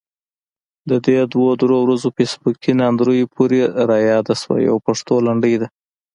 د دې دوه درې ورځو فیسبوکي ناندريو پورې رایاده شوه، يوه پښتو لنډۍ ده: